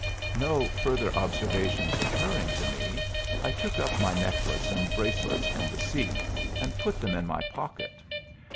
No further observations occurring to me, I took up my necklace and bracelets from the seat and put them in my pocket.